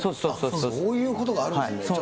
そういうことがあるんだね。